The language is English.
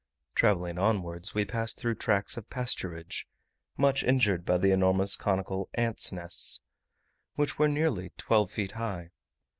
Travelling onwards we passed through tracts of pasturage, much injured by the enormous conical ants' nests, which were nearly twelve feet high.